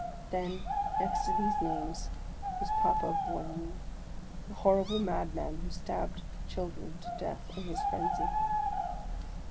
Then, next to these names, was Papavoine, the horrible madman who stabbed children to death in his phrenzy.